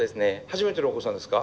初めてのお子さんですか？